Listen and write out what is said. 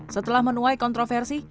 setelah menuai kontroversi